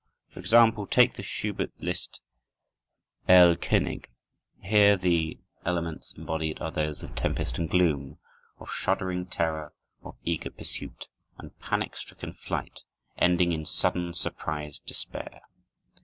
For example, take the Schubert Liszt "Erlkönig." Here the elements embodied are those of tempest and gloom, of shuddering terror, of eager pursuit and panic stricken flight, ending in sudden, surprised despair.